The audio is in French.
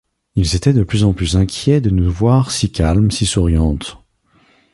Ils étaient de plus en plus inquiets de nous voir si calmes, si souriantes.